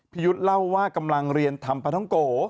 ยุทธ์เล่าว่ากำลังเรียนทำปลาท้องโก